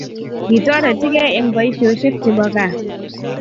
Kitoretigei eng boishoshek chepo kaa